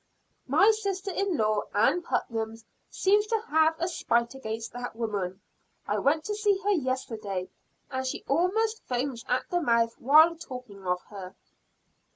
"My sister in law, Ann Putnam, seems to have a spite against that woman. I went to see her yesterday, and she almost foams at the mouth while talking of her."